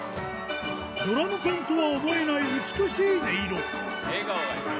ドラム缶とは思えない美しい音色。